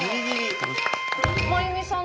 真弓さん。